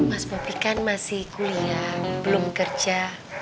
mas bopi kan masih kuliah belum kerja